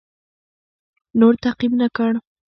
نور تعقیب نه کړ.